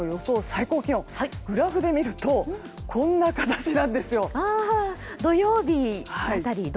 最高気温をグラフで見るとこんな形なんですよ。